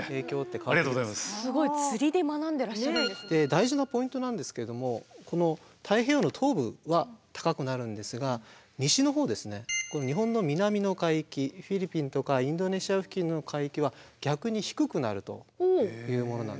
大事なポイントなんですけどもこの太平洋の東部は高くなるんですが西のほうですね日本の南の海域フィリピンとかインドネシア付近の海域は逆に低くなるというものなんですね。